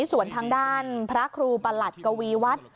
ส่วนทางด้านพระครูประหลัดกวีวัฒน์